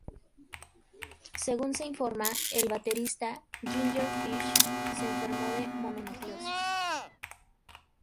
Según se informa, el baterista Ginger Fish se enfermó de mononucleosis.